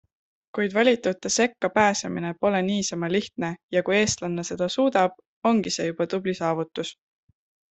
Kuid valitute sekka pääsemine pole niisama lihtne ja kui eestlanna seda suudab, ongi see juba tubli saavutus.